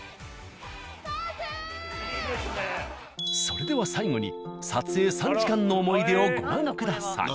それでは最後に撮影３時間の思い出をご覧ください。